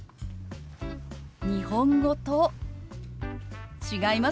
日本語と違いますよね。